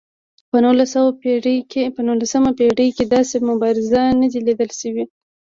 په نولسمه پېړۍ کې داسې مبارز نه دی لیدل شوی.